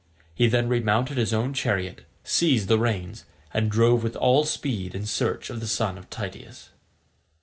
He then remounted his own chariot, seized the reins, and drove with all speed in search of the son of Tydeus.